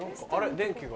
電気が。